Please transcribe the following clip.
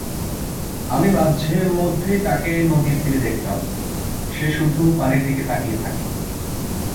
আমি মাঝ মধ্যেই তাকে নদীর তীরে দেখতাম, সে শুধু পানির দিকে তাকিয়ে থাকে।